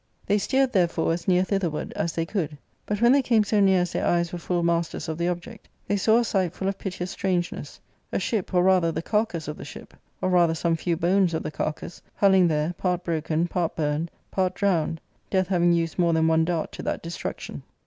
They steered, therefore, as near thitherward as they could ; but when they came so near as their eyes were full masters of the object, they saw a sight full of piteous strangeness — a ship, or rather the carcass of the ship, or rather some few bones of the carcass, hulling* there, part broken, part burned, part drowned : (death having used moce than one dart to that destruction.